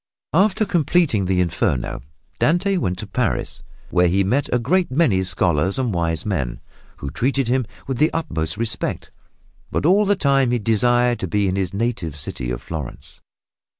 After completing the Inferno Dante went to Paris, where he met a great many scholars and wise men, who treated him with the utmost respect, but all the time he desired to be in his native city of Florence.